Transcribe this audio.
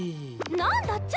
何だっちゃ？